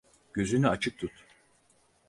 Gözünü açık tut.